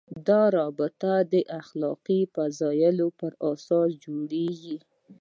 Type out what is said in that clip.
دا رابطه د اخلاقي فضایلو پر اساس جوړېږي.